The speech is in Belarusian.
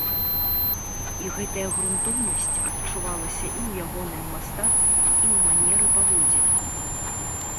І гэтая грунтоўнасць адчувалася і ў ягоным мастацтве, і ў манеры паводзінаў.